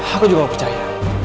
aku juga gak percaya